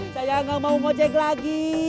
saya nggak mau ngojek lagi